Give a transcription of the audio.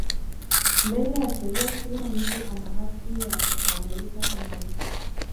Mbele ya sheria kila mtu ana haki ya kutambulika kama mtu.